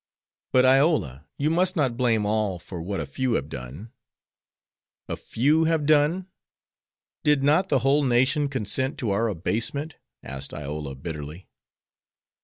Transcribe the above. "But, Iola, you must not blame all for what a few have done." "A few have done? Did not the whole nation consent to our abasement?" asked Iola, bitterly.